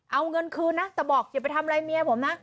เอาเงินคืนนะแต่บอกอย่าไปทำอะไรเมียผมนะ